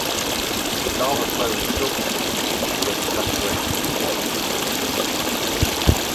Lava flows resulted, but evacuation was unnecessary.